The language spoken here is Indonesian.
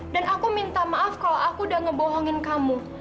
dan aku minta maaf kalau aku udah ngebohongin kamu